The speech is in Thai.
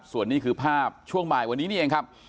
ส่วนนี้คือภาพช่วงบ่ายวันนี้นี่เองครับ